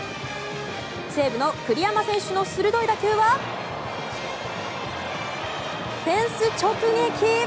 西武の栗山選手の鋭い打球はフェンス直撃。